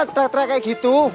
trak trak kayak gitu